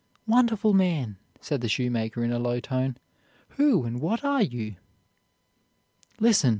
"'Wonderful man!' said the shoemaker in a low tone; 'who and what are you?' "'Listen!'